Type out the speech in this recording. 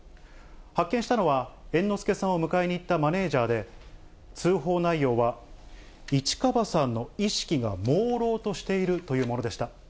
発見したのは猿之助さんを迎えに行ったマネージャーで、通報内容は市川さんの意識がもうろうとしているというものでした。